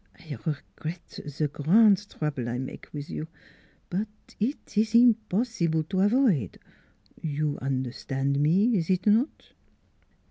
I regret ze gr rand trouble I make wiz you; but eet ees impossible to avoid You un'erstan' me, is eet not?